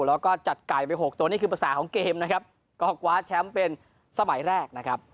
แล้วก็จัดไก่ไปหกตัวนี่คือภาษาของเกมนะครับก็คว้าแชมป์เป็นสมัยแรกนะครับ